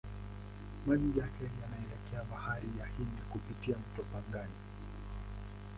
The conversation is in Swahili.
Maji yake yanaelekea Bahari ya Hindi kupitia mto Pangani.